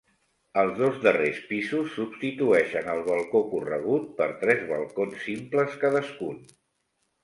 Els dos darrers pisos substitueixen el balcó corregut per tres balcons simples cadascun.